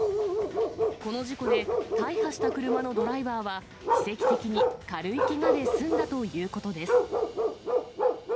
この事故で大破した車のドライバーは、奇跡的に軽いけがで済んだということです。